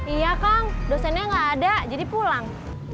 iya kang dosennya nggak ada jadi pulang